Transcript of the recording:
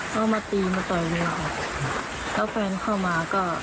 เขามาตีมาต่อยเมียค่ะแล้วแฟนเข้ามาก็